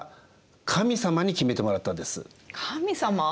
神様？